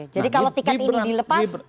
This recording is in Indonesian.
jadi kalau tiket ini dilepas